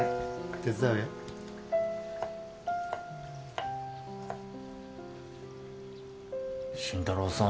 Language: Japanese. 手伝うよ新太郎さん